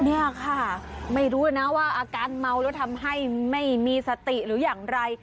เนี่ยค่ะไม่รู้นะว่าอาการเมาแล้วทำให้ไม่มีสติหรืออย่างไร